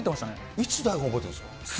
いつ台本覚えてるんですか？